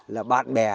là bạn bè